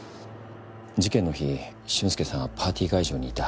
事件の日俊介さんはパーティー会場にいた。